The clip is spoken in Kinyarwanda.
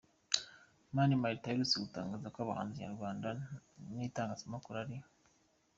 Mani Martin aherutse gutangaza ko abahanzi Nyarwanda n’itangazamakuru ari